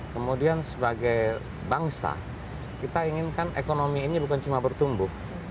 kemudian sebagai bangsa kita inginkan ekonomi ini bukan cuma bertumbuh